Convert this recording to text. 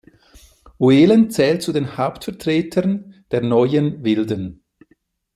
Oehlen zählt zu den Hauptvertretern der neuen Wilden.